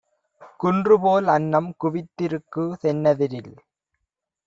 குன்றுபோல் அன்னம் குவித்திருக்கு தென்னெதிரில்!